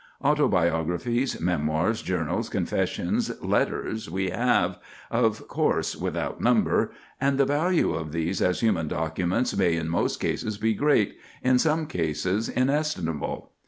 Autobiographies, memoirs, journals, confessions, letters we have, of course, without number, and the value of these as human documents may in most cases be great, in some cases inestimable.